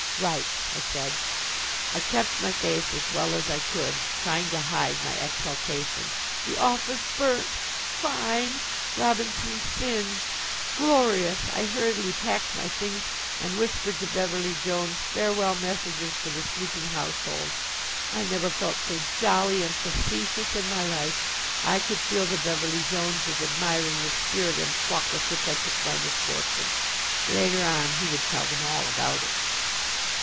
"Right," I said. I kept my face as well as I could, trying to hide my exultation. The office burnt! Fine! Robinson's singed! Glorious! I hurriedly packed my things and whispered to Beverly Jones farewell messages for the sleeping household. I never felt so jolly and facetious in my life. I could feel that Beverly Jones was admiring the spirit and pluck with which I took my misfortune. Later on he would tell them all about it.